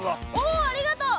おありがとう。